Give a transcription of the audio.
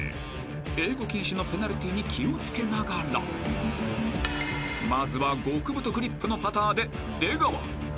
［英語禁止のペナルティーに気を付けながらまずは極太グリップのパターで出川］